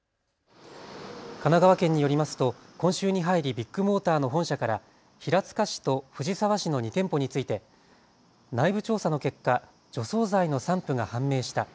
神奈川県によりますと今週に入りビッグモーターの本社から平塚市と藤沢市の２店舗について内部調査の結果、除草剤の散布が判明した。